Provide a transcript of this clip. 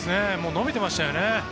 伸びてましたよね。